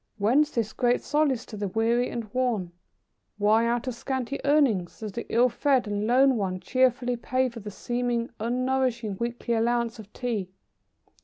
Whence this great solace to the weary and worn? Why out of scanty earnings does the ill fed and lone one cheerfully pay for the seemingly unnourishing weekly allowance of Tea?